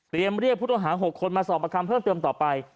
เรียกผู้ต้องหา๖คนมาสอบประคำเพิ่มเติมต่อไป